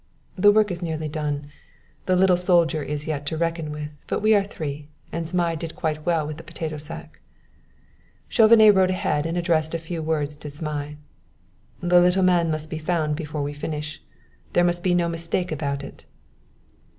"The work is nearly done. The little soldier is yet to reckon with; but we are three; and Zmai did quite well with the potato sack." Chauvenet rode ahead and addressed a few words to Zmai. "The little man must be found before we finish. There must be no mistake about it."